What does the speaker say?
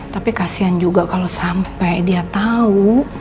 tapi kasian juga kalau sampai dia tahu